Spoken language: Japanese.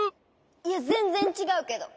いやぜんぜんちがうけど！